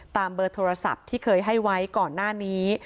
เบอร์โทรศัพท์ที่เคยให้ไว้ก่อนหน้านี้